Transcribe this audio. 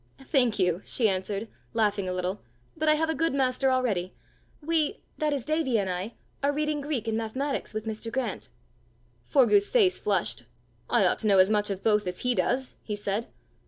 "Thank you," she answered, laughing a little, "but I have a good master already! We, that is Davie and I, are reading Greek and mathematics with Mr. Grant." Forgue's face flushed. "I ought to know as much of both as he does!" he said.